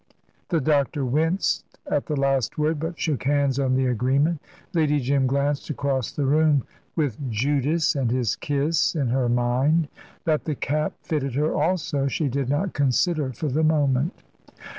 The doctor winced at the last word, but shook hands on the agreement. Lady Jim glanced across the room with Judas and his kiss in her mind. That the cap fitted her, also, she did not consider for the moment.